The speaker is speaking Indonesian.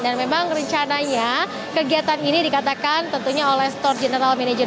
dan memang rencananya kegiatan ini dikatakan tentunya oleh store general manager